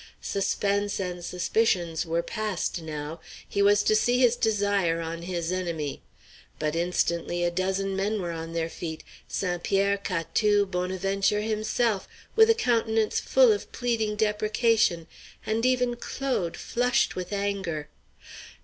Suspense and suspicions were past now; he was to see his desire on his enemy. But instantly a dozen men were on their feet St. Pierre, Catou, Bonaventure himself, with a countenance full of pleading deprecation, and even Claude, flushed with anger.